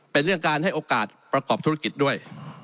เป็นเรื่องการให้โอกาสประกอบธุรกิจด้วย